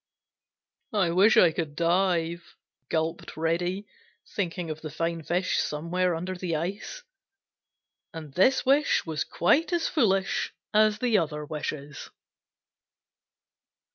"I wish I could dive," gulped Reddy, thinking of the fine fish somewhere under the ice. And this wish was quite as foolish as the other wishes.